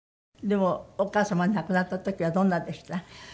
でもお母様が亡くなった時はどんなでした？